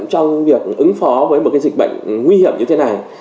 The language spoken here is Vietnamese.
trong việc ứng phó với một dịch bệnh nguy hiểm như thế này